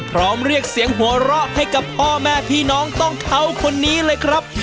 พร้อมเรียกเสียงโหวอให้กับพอแม่พี่น้องต้องเทาคนนี้เลยครับ